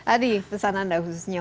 adi pesan anda khususnya